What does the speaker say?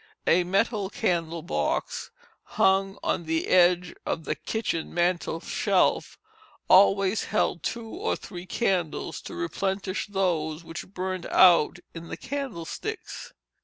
A metal candle box, hung on the edge of the kitchen mantel shelf, always held two or three candles to replenish those which burnt out in the candlesticks.